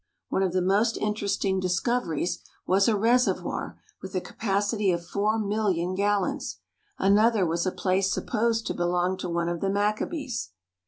One of the most interesting discov eries was a reservoir with a capacity of four million gallons. Another was a place supposed to belong to one of the Maccabees.